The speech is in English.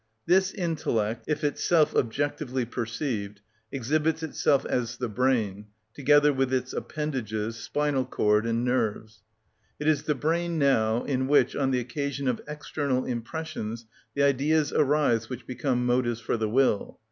This intellect, if itself objectively perceived, exhibits itself as the brain, together with its appendages, spinal cord, and nerves. It is the brain now in which, on the occasion of external impressions, the ideas arise which become motives for the will.